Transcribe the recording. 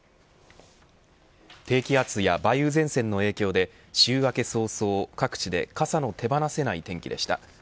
低気圧や梅雨前線の影響で週明け早々、各地で傘の手放せない天気でした。